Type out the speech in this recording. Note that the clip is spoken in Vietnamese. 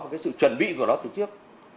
cái sự chuẩn bị của nó từ trước